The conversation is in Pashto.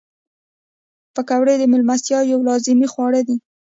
پکورې د میلمستیا یو لازمي خواړه دي